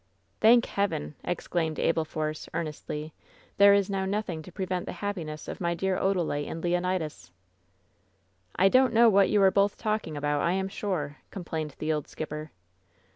"Thank Heaven!" exclaimed Abel Force, earnestly. "There is now nothing to prevent the happiness of my dear Odalite and Leonidas." "I don't know what you are both talking about, I am sure," complained the old skipper.